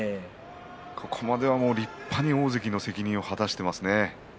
ここまでは立派に大関の責任を果たしていますね。